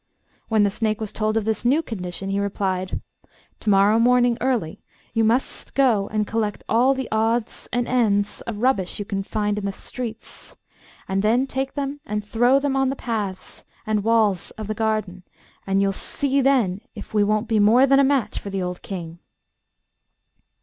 When the snake was told of this new condition, he replied, 'To morrow morning, early, you must go and collect all the odds and ends of rubbish you can find in the streets, and then take them and throw them on the paths and walls of the garden, and you'll see then if we won't be more than a match for the old King.